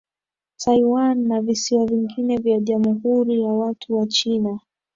Taiwan na visiwa vingine vya Jamhuri ya watu wa China